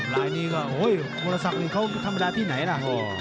ไลน์นี้ก็วัลสับเค้าธรรมดาที่ไหนล่ะ